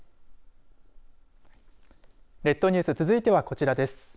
列島ニュース続いては、こちらです。